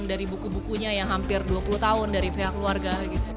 dari buku bukunya yang hampir dua puluh tahun dari pihak keluarga